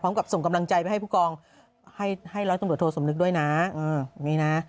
พร้อมกับส่งกำลังใจไปให้ผู้กองให้รับตรวจโทรสมนึกด้วยนะอย่างนี้นะ